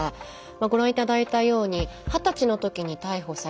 ご覧頂いたように二十歳のときに逮捕され